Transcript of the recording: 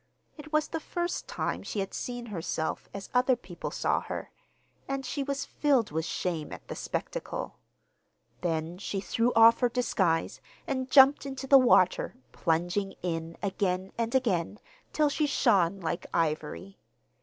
It was the first time she had seen herself as other people saw her, and she was filled with shame at the spectacle. Then she threw off her disguise and jumped into the water, plunging in again and again, till she shone like ivory.